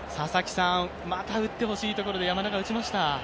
また打ってほしいところで山田が打ちました。